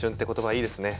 いいですね。